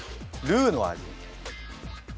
ルーの味！